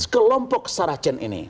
kelompok saracen ini